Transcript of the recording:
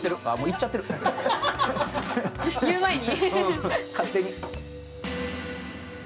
言う前に。